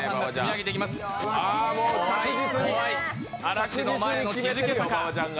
嵐の前の静けさか。